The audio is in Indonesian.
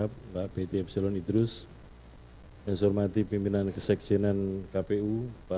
sambutan ketua komisi pemilihan umum